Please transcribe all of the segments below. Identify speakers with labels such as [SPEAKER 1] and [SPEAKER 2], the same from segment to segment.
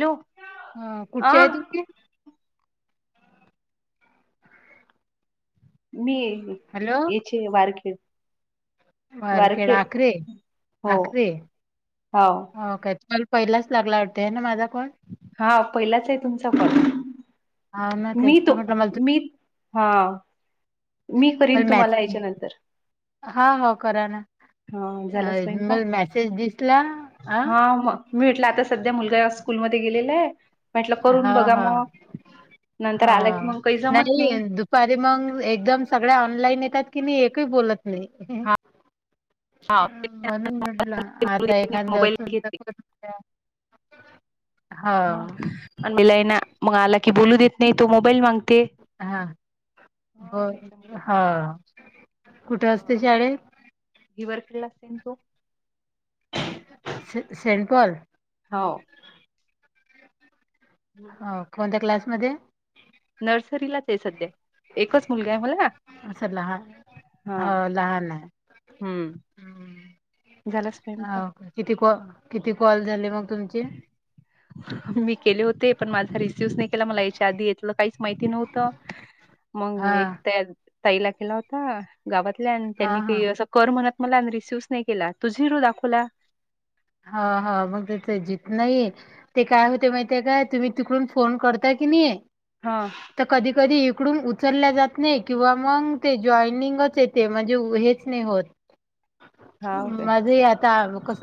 [SPEAKER 1] Hello आ
[SPEAKER 2] कुठचे आहे तुमचे.
[SPEAKER 1] मी.
[SPEAKER 2] हॅलो.
[SPEAKER 1] चिनु बाहेर खेळ.
[SPEAKER 2] [unintelligible]
[SPEAKER 1] हो हो
[SPEAKER 2] पहिलाच लागला वाटतय ना माझा कॉल.
[SPEAKER 1] हा पहिलाच आहे तुमचा कॉल
[SPEAKER 2] हां ना तेच
[SPEAKER 1] मी
[SPEAKER 2] तर
[SPEAKER 1] तो
[SPEAKER 2] म्हटलं मला तू
[SPEAKER 1] मी हा. मी करीन तुम्हाला याच्यानंतर.
[SPEAKER 2] हा हा करा ना
[SPEAKER 1] हा झाला स्वयंपाक
[SPEAKER 2] मला मेसेज दिसला अ.
[SPEAKER 1] हा मग मी म्हटलं आता सध्या मुलगा स्कूलमध्ये गेलेला आहे. म्हटलं करून
[SPEAKER 2] हां,
[SPEAKER 1] बघा
[SPEAKER 2] हां,
[SPEAKER 1] मग नंतर आलं की मग काही जमत नाही.
[SPEAKER 2] मग एकदम सगळ्या ऑनलाईन येतात कनि एकही बोलत नाही.
[SPEAKER 1] हा
[SPEAKER 2] म्हणून म्हटलं आता एखादं
[SPEAKER 1] मोबाईल घेते
[SPEAKER 2] [unintelligible]
[SPEAKER 1] मम्मी ला आय ना मग आला की बोलू देत नाही तो मोबाईल मागते.
[SPEAKER 2] हा
[SPEAKER 1] हा
[SPEAKER 2] ब
[SPEAKER 1] त्याच्यामुळे
[SPEAKER 2] हा कुठे असते शाळेत.
[SPEAKER 1] [unintelligible]
[SPEAKER 2] सेंड कर [unintelligible]
[SPEAKER 1] हो.
[SPEAKER 2] हो कोणत्या क्लासमध्ये?
[SPEAKER 1] नर्सरीलाच आहे सध्या एकच मुलगा आहे.
[SPEAKER 2] असं लहान
[SPEAKER 1] हा
[SPEAKER 2] हो लहान आहे.
[SPEAKER 1] हम्म झाल स्वयंपाक
[SPEAKER 2] हो का किती कॉ किती कॉल झाले मग तुमचे
[SPEAKER 1] मी केले होते पण माझा रिसिव नाही केला मला याच्या आधी येतलं काहीच माहिती नव्हतं.
[SPEAKER 2] [inaudible]
[SPEAKER 1] मग एक त्या ताईला केला होता गावातल्या आणि
[SPEAKER 2] हा
[SPEAKER 1] त्यांनी
[SPEAKER 2] हा
[SPEAKER 1] काई असं कर म्हणत मला रिसीवच नाही केला तो झिरो दाखवला.
[SPEAKER 2] हा हा मग नाही. ते काय होते माहिय काय तुम्ही तिकडून फोन करता की नाही.
[SPEAKER 1] हा
[SPEAKER 2] तर कधी कधी इकडून उचलल्या जात नाही किंवा मग ते जॉईनिंगच येते म्हणजे हेच होत
[SPEAKER 1] हा ओके
[SPEAKER 2] माझही आता कस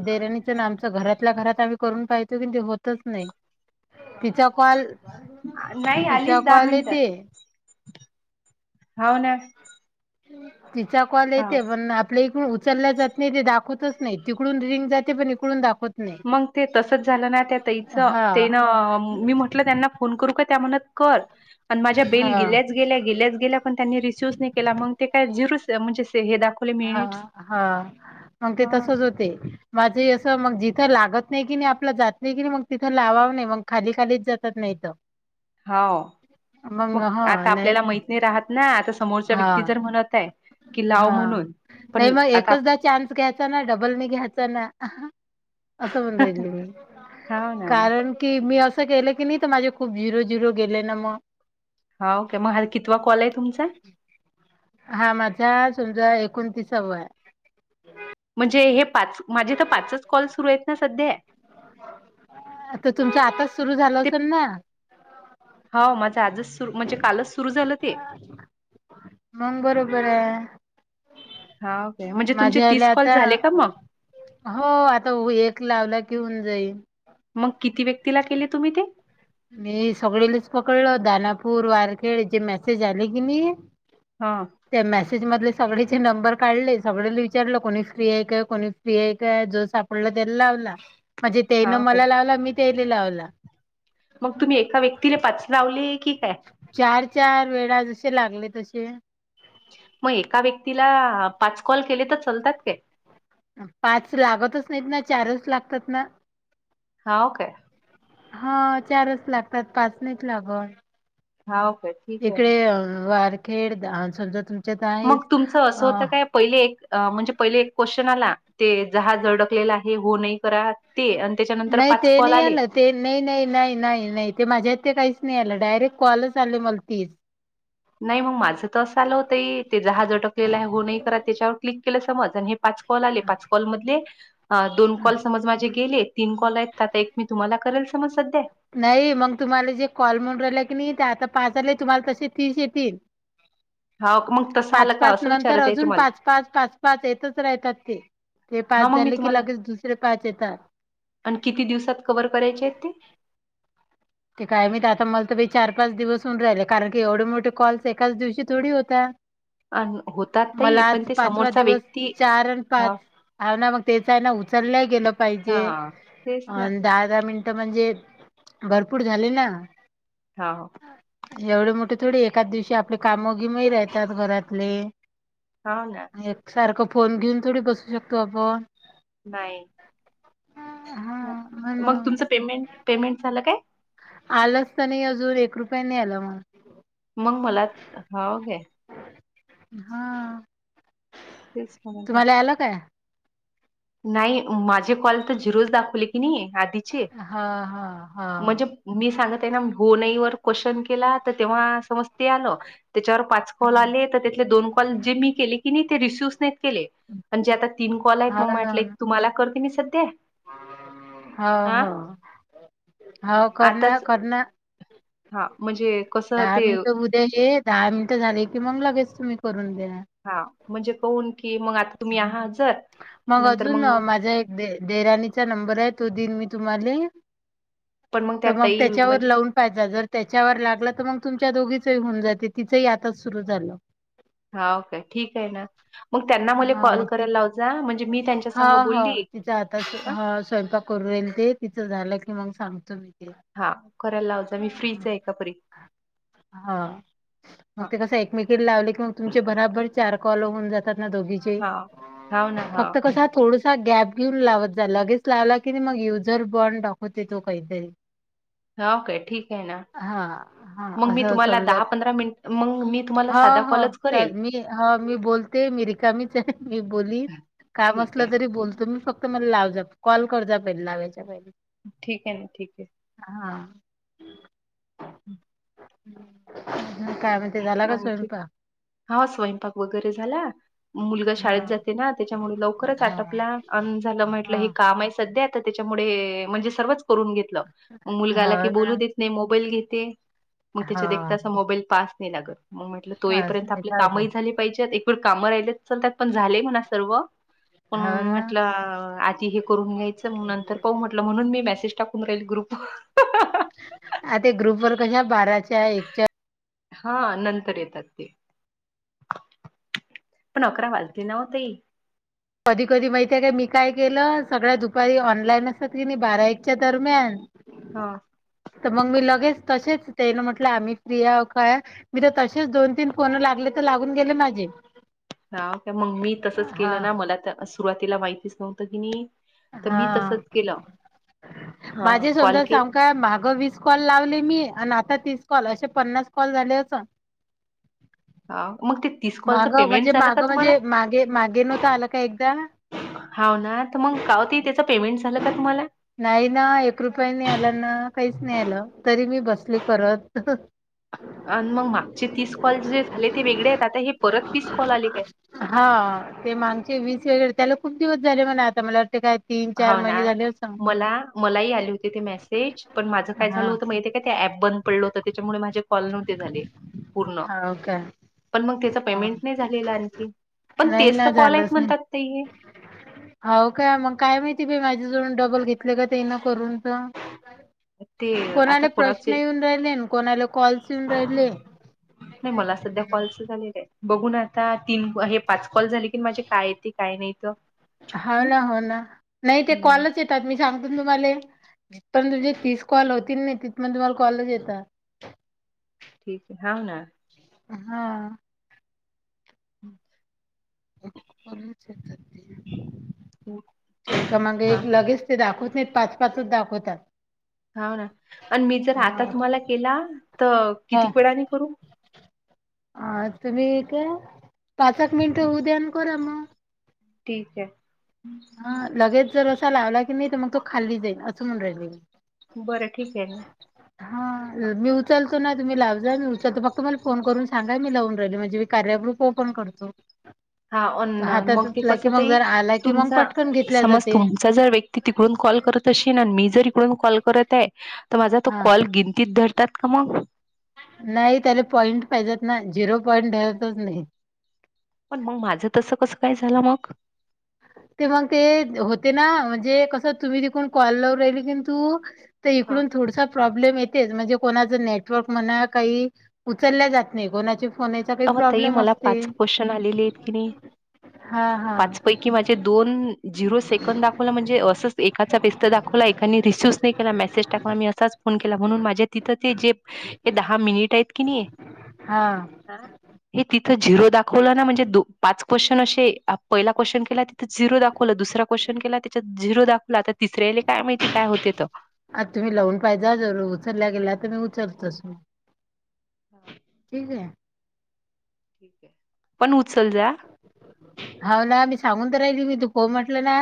[SPEAKER 2] देराणीच ना आमच घरातल्या घरात आम्ही करून पाहचो कि ते होतच नाही तिचा कॉल
[SPEAKER 1] नाही
[SPEAKER 2] तिचा
[SPEAKER 1] आलीच दहा
[SPEAKER 2] कॉल येते.
[SPEAKER 1] मिनिटात होऊ ना?
[SPEAKER 2] तिचा कॉल
[SPEAKER 1] हा
[SPEAKER 2] येते पण आपल्या इकडून उचलल्या जात नाही ते दाखवतच नाही तिकडून रिंग जाते पण इकडून दाखवत नाही
[SPEAKER 1] मग ते तसच झालं ना त्या ताईच
[SPEAKER 2] हा
[SPEAKER 1] तेनं मी म्हटलं त्यांना फोन करू का ते म्हणल्या कर पण माझ्या बेल
[SPEAKER 2] हा
[SPEAKER 1] गेल्या गे गेण त्यांनी रिसीव्ह नाही केला मग ते काय झीरोच
[SPEAKER 2] हा हा मग ते
[SPEAKER 1] हा.
[SPEAKER 2] तसच होते. माझं असं मग जिथं लागत नाही की नाही आपलं जात नाही की नाही मग तिथं लावावं नाही मग खाली खालीच जातात नाहीत. [unintelligible]
[SPEAKER 1] हो मग आता
[SPEAKER 2] नाही
[SPEAKER 1] आपल्याला माैत्री राहात ना आता समोरचा
[SPEAKER 2] हा
[SPEAKER 1] व्यक्ती जर म्हणत आहे. कि लाव
[SPEAKER 2] हा
[SPEAKER 1] म्हणून
[SPEAKER 2] नाही
[SPEAKER 1] पण
[SPEAKER 2] मग
[SPEAKER 1] आता आप
[SPEAKER 2] एकचदा चान्स घ्यायचा ना डबल न घ्यायचा ना. असं म्हण राहिल मी
[SPEAKER 1] हा ना.
[SPEAKER 2] कारण की मी असं गेले की नाही तर माझे खूप झिरो झिरो गेले ना मग.
[SPEAKER 1] हा ओके मग कितवा कॉल आहे तुमचा?
[SPEAKER 2] हा माझा समजा एकोण तीसावा आहे.
[SPEAKER 1] म्हणजे हे पाच माझे तर पाच कॉल सुरू आहेत ना सध्या
[SPEAKER 2] आता तुमच्या आताच सुरु झालं असेल ना?
[SPEAKER 1] हो माझं आजच सुरू म्हणजे कालच सुरु झालं ते.
[SPEAKER 2] [inaudible] मंग बरोबर आहे.
[SPEAKER 1] हा काय म्हणजे तुमचे
[SPEAKER 2] माझ्या आईला
[SPEAKER 1] तीस कॉल
[SPEAKER 2] आता
[SPEAKER 1] झाले का मग?
[SPEAKER 2] हो आता एक लावला की होऊन जाईन.
[SPEAKER 1] मग किती व्यक्तीला केले तुम्ही ते?
[SPEAKER 2] मी सगळेच पकडलो दानापूर, वारखेड जे मेसेज आले की नाही?
[SPEAKER 1] हां.
[SPEAKER 2] त्या मेसेज मधले सगळेचे नंबर काढले सगळे विचारलं कोणी फ्री आहे का कोणी? सीए जो सापडला त्याला लावला म्हणजे तेनं
[SPEAKER 1] हां काय.
[SPEAKER 2] मला लावला मी तेने लावला.
[SPEAKER 1] मग तुम्ही एका व्यक्तीने पाच लावले की काय?
[SPEAKER 2] चार, चार वेळा जसे लागले तसे
[SPEAKER 1] मग एका व्यक्तीला पाच कॉल केले तर चालतात काय?
[SPEAKER 2] पाच लागतच नाहीत ना चारच लागतात ना.
[SPEAKER 1] हा ओ काय.
[SPEAKER 2] हा चारच लागतात पाच नाही लागत.
[SPEAKER 1] हाव काय. ठीक आहे.
[SPEAKER 2] इकडे अ वारखेड समजा तुमच्यात आहे
[SPEAKER 1] मग तुमचं असं
[SPEAKER 2] अ.
[SPEAKER 1] होतं काय पहिले एक म्हणजे पहिले एक क्वेश्चन आला ते जहाज झडकलेला आहे, हो नाही करा. ते अन त्याच्या
[SPEAKER 2] नाही ते नाही आलंत. ते नाही, नाही, नाही, नाही, नाही ते माझ्यात ते काहीच नाही आलं डायरेक्ट कॉलच आले मला तीन.
[SPEAKER 1] नाही मग माझं तर असं आलं होतं, ताई जहाज अटकलेलं आहे हो नाही करा त्याच्यावर क्लिक केलं समज आणि हे पाच. कॉल आले पाच कॉल मधले दोन
[SPEAKER 2] अ,
[SPEAKER 1] कॉल समज माझे गेले. तीन कॉल आहेत त्यातला एक मी तुम्हाला करेल समज सध्या.
[SPEAKER 2] नाही मग तुम्हाला जे कॉल म्हून राहिल की, नाही ते आता पाच झाले तुम्हाला तसे तीस येतील. [inaudible]
[SPEAKER 1] हो मग तस
[SPEAKER 2] पाच, पाच नंतर अजून पाच, पाच, पाच, पाच येतच राहतात ते. ते
[SPEAKER 1] हा
[SPEAKER 2] पाच
[SPEAKER 1] मग मी
[SPEAKER 2] झाले की
[SPEAKER 1] तुम्हाला
[SPEAKER 2] लगेच दुसरे पाच येतात.
[SPEAKER 1] आणि किती दिवसात कव्हर करायचे आहेत ते.
[SPEAKER 2] ते काय मी आता मला तर चार, पाच दिवस होऊन राहिले कारण की, एवढे मोठे कॉल्स एकाच दिवशी थोडी होतात.
[SPEAKER 1] आणि होतात ताई
[SPEAKER 2] मला
[SPEAKER 1] पण
[SPEAKER 2] आज
[SPEAKER 1] ते
[SPEAKER 2] पाचवा
[SPEAKER 1] समोरचा
[SPEAKER 2] दिवस
[SPEAKER 1] व्यक्ती
[SPEAKER 2] चार आणि पाच.
[SPEAKER 1] हा
[SPEAKER 2] ह ना मग तेचा आहे ना उचलल्या गेलं पाहिजे
[SPEAKER 1] हा तेच
[SPEAKER 2] अ
[SPEAKER 1] ना
[SPEAKER 2] दहा, दहा मिनटं म्हणजे पुढ झाले ना.
[SPEAKER 1] हा ह.
[SPEAKER 2] एवढे मोठे थोडे एकाद दिवशी आपले कामघीमही राहतात घरातले.
[SPEAKER 1] हो ना.
[SPEAKER 2] एक सारखं फोन घेऊन थोडी बसू शकतो आपण.
[SPEAKER 1] बाय.
[SPEAKER 2] हा
[SPEAKER 1] मग
[SPEAKER 2] म्हणून
[SPEAKER 1] तुमचं पेमेंट पेमेंट झालं काय?
[SPEAKER 2] आलंच तर नाही अजून एक रुपया नाही आला मला.
[SPEAKER 1] मग मला हाव घ्या.
[SPEAKER 2] हा
[SPEAKER 1] तेच म्हणत
[SPEAKER 2] तुम्हाला आलं काय?
[SPEAKER 1] नाही माझे कॉल तर झरोज दाखवले की नाही आधीचे
[SPEAKER 2] हा हा हा
[SPEAKER 1] म्हणजे मी सांगत आहे. ना हो नाही व क्वेशचन केला तर तेव्हा समज ते आलं त्याच्यावर पाच. कॉल
[SPEAKER 2] हा
[SPEAKER 1] आले तर त्याथले दोन कॉल जे मी केले की नाही ते रिसिव नाहीत केले. म्हणजे आता तीन कॉल आहेत मग म्हटलं तुम्हाला करते मी सध्या.
[SPEAKER 2] हा हा. हो करना
[SPEAKER 1] आताच
[SPEAKER 2] करना
[SPEAKER 1] हा म्हणजे कसं
[SPEAKER 2] दहा
[SPEAKER 1] ते
[SPEAKER 2] मिनट बुद्ध ते जे दहा मिनटं झाले की, मग लगेच तुम्ही करून देणार.
[SPEAKER 1] हा म्हणजे कहून की मग आता तुम्ही आहात जर
[SPEAKER 2] मग
[SPEAKER 1] नंतर
[SPEAKER 2] अजून
[SPEAKER 1] मग
[SPEAKER 2] माझा एक दे देराणीचा नंबर आहे, तो देईन मी तुम्हाले.
[SPEAKER 1] पण त्या
[SPEAKER 2] तर मग
[SPEAKER 1] ताई
[SPEAKER 2] त्याच्यावर
[SPEAKER 1] म्हणजे
[SPEAKER 2] लावून जर त्याच्यावर लागला तर मग तुमच्या दोघीचही होऊन जाते तिचही आताच सुरु झालं.
[SPEAKER 1] हा ओ काे ठीक आहे. ना मग त्यांना मला
[SPEAKER 2] हा
[SPEAKER 1] कॉल
[SPEAKER 2] मग ती
[SPEAKER 1] करायला लाव जा म्हणजे मी त्यांच्या
[SPEAKER 2] हा
[SPEAKER 1] संघ
[SPEAKER 2] हा
[SPEAKER 1] बोलली
[SPEAKER 2] आता
[SPEAKER 1] हा
[SPEAKER 2] स्वयंपा करू येईल ते तिचं झालं की मग सांगतो मी. ते.
[SPEAKER 1] हा करायला लाव जा मी फ्रीच आहे कापरी.
[SPEAKER 2] हा. मग
[SPEAKER 1] हा
[SPEAKER 2] ते कसं एकमेकीला लावले की मग तुमचे बराबर चार कॉलो होऊन जात ना दोघी
[SPEAKER 1] हा हाव ना हा
[SPEAKER 2] फक्त कस थोड गॅप घेऊन लावत जा लगेच लावला की नाही, मग युझर बॉन्ड दाखवते तो काहीतरी.
[SPEAKER 1] हाव काय ठीक आहे ना.
[SPEAKER 2] हा हा
[SPEAKER 1] मग मी
[SPEAKER 2] असं
[SPEAKER 1] तुम्हाला
[SPEAKER 2] समजा.
[SPEAKER 1] मिनिट मग मी तुम्हाला
[SPEAKER 2] हा
[SPEAKER 1] साधा कॉलच
[SPEAKER 2] हा
[SPEAKER 1] करेल.
[SPEAKER 2] मी हा मी बोलते मिरीक च मी बोली काम
[SPEAKER 1] ठीक आहे,
[SPEAKER 2] असलं तरी बोलतो मी फक्त तमला लाव जा कॉल कर जा पहिला लावायच्या पहिल
[SPEAKER 1] ठीक आहे ठीक आहे.
[SPEAKER 2] हा. काय म्हणते झाला का
[SPEAKER 1] आणखी
[SPEAKER 2] स्वयंपाक?
[SPEAKER 1] हा स्वयंपाक वगैरे झाला. मुलगा शाळेत
[SPEAKER 2] हा
[SPEAKER 1] जा त्याच्यामुळे लवकरच
[SPEAKER 2] हा
[SPEAKER 1] अटपला अ झाल म्हटलं हे काम आहे सध्या त्याच्यामुळे म्हणजे सर्वच करून घेतलं मुलगा आला
[SPEAKER 2] हा
[SPEAKER 1] की,
[SPEAKER 2] हो
[SPEAKER 1] बोलू
[SPEAKER 2] ना
[SPEAKER 1] देत नाही मोबाईल घेते मग
[SPEAKER 2] हा
[SPEAKER 1] तास मोबाईल पास नाही लागत, मग म्हटलं तो
[SPEAKER 2] पाच
[SPEAKER 1] येपर्यंत आपले
[SPEAKER 2] मिनिटं अगं,
[SPEAKER 1] कामही झाले पाहिजेत एक काम राहिले लतत पण झाले म्हणा सर्व पण
[SPEAKER 2] हो ना
[SPEAKER 1] म्हटलं आधी हे करून घ्यायचं, नंतर पाहू म्हटलं म्हणून मी मेसेज टाक तुमऱ्याली ग्रुप
[SPEAKER 2] आता ते ग्रुप वर कशा बाराच्या, एकच्या
[SPEAKER 1] हा नंतर येतात ते पण अकरा वालते नाव्हतई.
[SPEAKER 2] कधी कधी माहितीे का मी काय केलं, सगळ्या दुपारी ऑनलाईन असत की नाही बारा, एकच्या दरम्यान
[SPEAKER 1] हा.
[SPEAKER 2] तर मग मी लगेच तसेच तेल म्हटलं आम्ही प्रिया का मी तर तसेच दोन, तीन फोन लागले तर लागून गेले माझे.
[SPEAKER 1] ह का मग मी तसंच
[SPEAKER 2] हा
[SPEAKER 1] केलं ना मला तर सुरवातीला माहितीच नव्हतं किणी
[SPEAKER 2] हा
[SPEAKER 1] हा
[SPEAKER 2] माझे
[SPEAKER 1] कॉल
[SPEAKER 2] समजा
[SPEAKER 1] के
[SPEAKER 2] समका माघ वीस कॉल लावली मी आणि आता तीस कॉल असे पन्नास कॉल झाले अस
[SPEAKER 1] अ मग ते तीस कॉलचं
[SPEAKER 2] मागं
[SPEAKER 1] पेमेंट
[SPEAKER 2] म्हणजे
[SPEAKER 1] झालं का
[SPEAKER 2] मागं
[SPEAKER 1] तुम्हाला?
[SPEAKER 2] म्हणजे मागे मागे नव्हत आला का एकदा?
[SPEAKER 1] हवं ना तर मग काव ताई त्याच पेमेंट झालं का तुम्हाला?
[SPEAKER 2] नाही ना एक रुपय नी आला, न काहीच नाही आलं तरी मी बसली करत.
[SPEAKER 1] आणि मग मागचे तीस कॉल जे झाले ते वेगळे आहेत, आता हे परत तीस कॉल आले काय?
[SPEAKER 2] हा ते मागचे वीस वेगळे त्याला खूप दिवस झाले म्हणा आता मला वाटते काय तीन, चार
[SPEAKER 1] हाव ना
[SPEAKER 2] महिने झाले असन.
[SPEAKER 1] मला मलाही आली ते मेसेज पण माझं काय झालं
[SPEAKER 2] हा
[SPEAKER 1] होतं माहिती का ते ऍप बंद पडलं होतं, त्याच्यामुळे माझे कॉल नव्हते झाले. पूर्ण
[SPEAKER 2] हवं का?
[SPEAKER 1] पण मग त्याच पेमेंट नाही झालेल आणखी, पण तेच तर कॉल आहेत म्हणतात ते.
[SPEAKER 2] हवं काय? मग काय माहिती बाई माझा जवळून डबल घेतले का त्यानं करून तर. झालं.
[SPEAKER 1] ते आता
[SPEAKER 2] कोणाले प्रश्न
[SPEAKER 1] कोणाचे
[SPEAKER 2] येऊन राहिले, कोणाला कॉल्स येऊन राहिले?
[SPEAKER 1] नाही मला सध्या कॉल झालेलं आहेत बघून आता तीन हे पाच कॉल झाले की माझे काय येते काय नाहीत.
[SPEAKER 2] हो ना हो ना नाही ते
[SPEAKER 1] हम्म,
[SPEAKER 2] कॉलच ये मी सांगतो तुम्हाले जिथपर्यंत पण तुम तीस कॉल होतील नाही तिथ पण तुम्हाला कॉलच येतात.
[SPEAKER 1] ठीक आहे हवं ना.
[SPEAKER 2] हा.
[SPEAKER 1] हम्म.
[SPEAKER 2] ते एकामागे
[SPEAKER 1] हा
[SPEAKER 2] एक लगेच ते दाखवत नाहीत, पाच पाचच दाखवतात.
[SPEAKER 1] हवं ना आणि मी जर आता
[SPEAKER 2] हा
[SPEAKER 1] तुम्हाला केला त
[SPEAKER 2] हा
[SPEAKER 1] किती वेळाने करू?
[SPEAKER 2] अ तुम्ही काय पाच एक मिनटं होऊ द्या न करा मग
[SPEAKER 1] ठीक आहे
[SPEAKER 2] हा लगेच जर असा लावला की नाही तर मग तो खाल्ली जाईल असं म्हणू राहिल मी
[SPEAKER 1] बरं ठीक आहे ना.
[SPEAKER 2] हा मी उचलतो ना तुम्ही लाव जा मी उचलतो फक्त मला फोन करून सांगा मी लावून राहिल म्हणजे मी कार्य ग्रुप ओपन करतो. [inaudible]
[SPEAKER 1] हा अन
[SPEAKER 2] हातात
[SPEAKER 1] मग ते
[SPEAKER 2] असला की
[SPEAKER 1] कसं
[SPEAKER 2] मग
[SPEAKER 1] ताई
[SPEAKER 2] जर आला की मग
[SPEAKER 1] तुमचा
[SPEAKER 2] पटकन घेतल्या
[SPEAKER 1] समज
[SPEAKER 2] जाते
[SPEAKER 1] तुम चा जर व्यक्ती तिकडून कॉल करत अशीन अन मी जर इडूण इकडून कॉल करत आहे तर माझा तो
[SPEAKER 2] हा.
[SPEAKER 1] कॉल गिनतीत धरतात का मग?
[SPEAKER 2] नाही त्याला पॉईंट पाहिजेत ना झिरो पॉईंट धरतच नाही.
[SPEAKER 1] पण मग माझं तसं कसं काय झालं मग?
[SPEAKER 2] ते मग ते होते ना म्हणजे कसं तुम्ही तीकून कॉल लाऊ राहिली किनी तु तर
[SPEAKER 1] हां.
[SPEAKER 2] इकडून थोडसा प्रब्लेम येते म्हणजे कोणाच नेटवर्क म्हणा काही उचल्या जात नाही कोनाचे
[SPEAKER 1] अव ताई मला पाच क्वेश्चन आलेले आहेत किनी हा पाच पैकी माझे दोन जीरो सेकंद दाखवलं म्हणजे असच एकाचा व्यस्त दाखवला एकानी रिसीवच नाही केला मेसेज टा म मी असाच फोन केला म्हणून माझ्या तिथं ते जे ते दहा मिनिटआहेत की नी
[SPEAKER 2] हा
[SPEAKER 1] हे तिथं झिरो दाखवलं ना म्हणजे पाच क्वेश्चन असे पहिला क्वेश्चन केला झिरो दाखवला दुसरा क्वेश्न केला त्याच्यात झिरो दाखवला आता तिसऱ्याले काय माहिती काय होते त?
[SPEAKER 2] आता तुम्ही लावून पाहेजा जर उचलल्या गेला तर मी उचलतोच म
[SPEAKER 1] हा
[SPEAKER 2] ठीक आहे
[SPEAKER 1] ठीक आहे पण उचल जा आ
[SPEAKER 2] हवं ना मी सांगून तर राहिली मी तु हो म्हटलं ना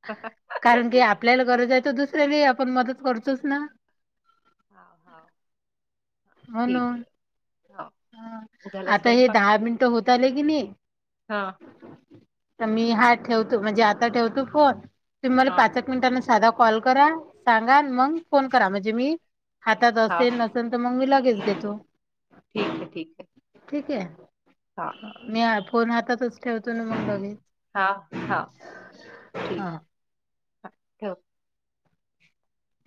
[SPEAKER 1] [inaudible]
[SPEAKER 2] कारण की आपल्याला गरज आहे तर दुसऱ्याला आपण मदत करतोच ना
[SPEAKER 1] हवं हवं
[SPEAKER 2] होन
[SPEAKER 1] हां, झाला
[SPEAKER 2] आता हे
[SPEAKER 1] स्वयंपाक?
[SPEAKER 2] दहा मिनिट होत आले कि नाही
[SPEAKER 1] हा
[SPEAKER 2] तर मी हा ठेवतो तुम्ही मला
[SPEAKER 1] हां,
[SPEAKER 2] पाच साधा कॉल करा सांगा म फोन करा म्हणजे मी हातात
[SPEAKER 1] हां.
[SPEAKER 2] असे न लागेच देतो.
[SPEAKER 1] ठीक आहे, ठीक आहे.
[SPEAKER 2] ठीक आहे मी फोन हातातच ठेवतो ना मग
[SPEAKER 1] हां.
[SPEAKER 2] लगे
[SPEAKER 1] हां हां ठीक आहे.
[SPEAKER 2] हा
[SPEAKER 1] हां ठेव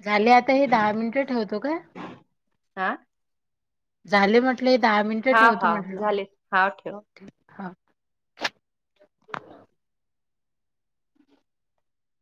[SPEAKER 2] झाले आता हे दहा मिनिट हा ठेवतो काय
[SPEAKER 1] हां
[SPEAKER 2] कुठले दहा मिनटं
[SPEAKER 1] हां
[SPEAKER 2] ठेवतो
[SPEAKER 1] हां
[SPEAKER 2] म्हटलं
[SPEAKER 1] झाले हां ठेव.
[SPEAKER 2] ह